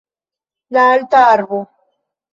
La alta arbo